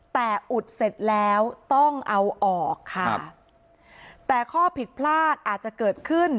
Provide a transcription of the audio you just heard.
แต่อุดเสร็จแล้วต้องเอาออกค่ะแต่ข้อผิดพลาดอาจจะเกิดขึ้น